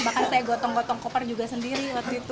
bahkan saya gotong gotong koper juga sendiri waktu itu